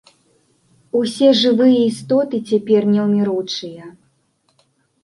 Усе жывыя істоты цяпер неўміручыя.